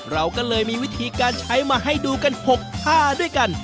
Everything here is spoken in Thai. เราก็เลยมีวิธีการใช้มาให้ดูกัน๖ท่าด้วยกัน